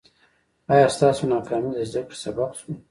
ایا ستاسو ناکامي د زده کړې سبب شوه؟